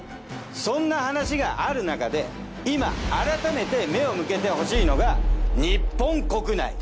そんな話があるなかで今改めて目を向けてほしいのが日本国内。